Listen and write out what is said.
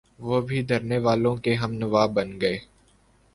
وہ بھی دھرنے والوں کے ہمنوا بن گئے۔